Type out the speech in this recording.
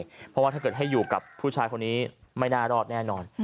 เพราะว่าถ้าเกิดให้อยู่กับผู้ชายคนนี้ไม่น่ารอดแน่นอน